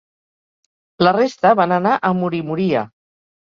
La resta van anar a Murimuria.